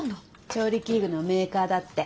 調理器具のメーカーだって。